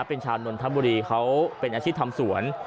เป็นชาวนนทบุรีเขาเป็นอาชีพทำสวน